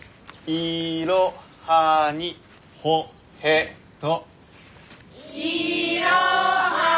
「いろはにほへと」。